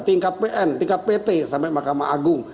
tingkat pn tingkat pt sampai mahkamah agung